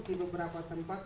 di beberapa tempat